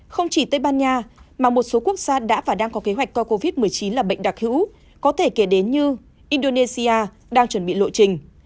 không chỉ tây ban nha mà một số quốc gia đã và đang có kế hoạch coi covid một mươi chín là bệnh đặc hữu có thể kể đến như indonesia đang chuẩn bị lộ trình